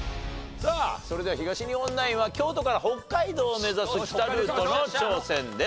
それでは東日本ナインは京都から北海道を目指す北ルートの挑戦です。